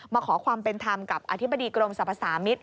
ขอความเป็นธรรมกับอธิบดีกรมสรรพสามิตร